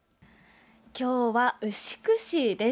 今日は牛久市です。